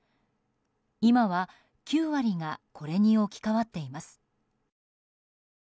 今は９割がこれに置き換わっています。